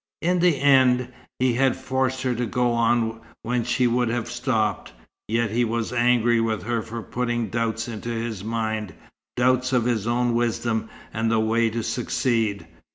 In the end, he had forced her to go on when she would have stopped, yet he was angry with her for putting doubts into his mind, doubts of his own wisdom and the way to succeed.